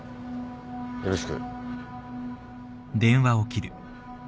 よろしく。